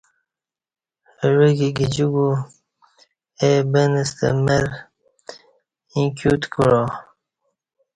عوہ کی گجیکو اے بن ستہ مرہ ییں کیوت کعا